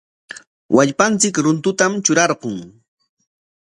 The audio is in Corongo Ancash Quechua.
Wallpanchik runtutam trurarqun.